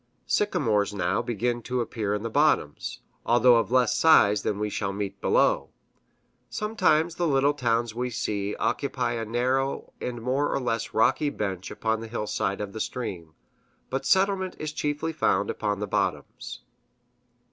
Sycamores now begin to appear in the bottoms, although of less size than we shall meet below. Sometimes the little towns we see occupy a narrow and more or less rocky bench upon the hill side of the stream, but settlement is chiefly found upon the bottoms.